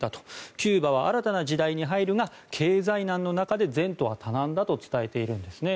キューバは新たな時代に入るが経済難の中で前途は多難だと伝えているんですね。